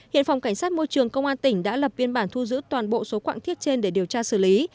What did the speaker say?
hiện phòng cảnh sát môi trường công an tỉnh đã lập biên bản thu giữ toàn bộ số quạng thiết trên để điều tra xử lý